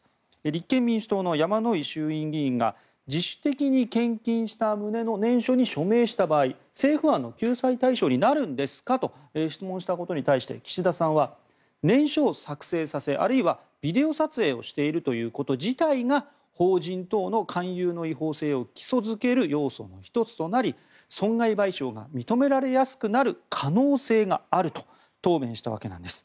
立憲民主党の山井衆院議員が自主的に献金した旨の念書に署名した場合政府案の救済対象になるんですかと質問したことに対して岸田さんは念書を作成させあるいはビデオ撮影をしているということ自体が法人等の勧誘の違法性を基礎付ける要素の１つとなり損害賠償が認められやすくなる可能性があると答弁したわけなんです。